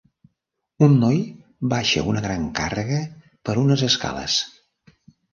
Un noi baixa una gran càrrega per unes escales.